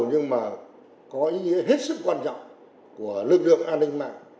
nhưng mà có ý nghĩa hết sức quan trọng của lực lượng an ninh mạng